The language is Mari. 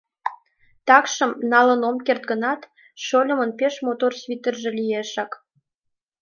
Такшым, налын ом керт гынат, шольымын пеш мотор свитерже лиешак».